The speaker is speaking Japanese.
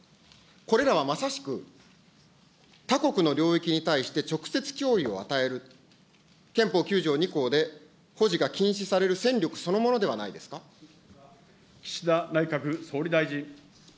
これらはまさしく他国の領域に対して、直接脅威を与える、憲法９条２項で保持が禁止される戦力そのも岸田内閣総理大臣。